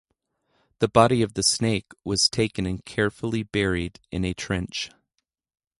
The body of the snake was taken and carefully buried in a trench.